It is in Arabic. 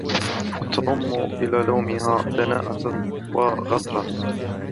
وَتَضُمَّ إلَى لُؤْمِهَا دَنَاءَةً وَغَدْرًا